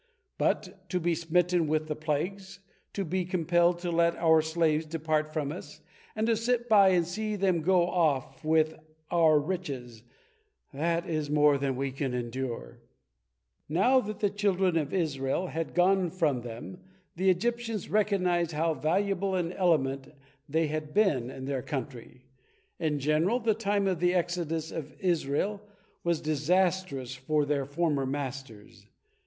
But to be smitten with the plagues, to be compelled to let our slaves depart from us, and to sit by and see them go off with our riches, that is more than we can endure." Now that the children of Israel had gone from them the Egyptians recognized how valuable an element they had been in their country. In general, the time of the exodus of Israel was disastrous for their former masters.